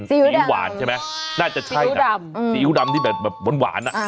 สียูดำสียูหวานใช่ไหมน่าจะใช่สียูดำอืมสียูดำนี่แบบแบบหวานหวานน่ะอ่า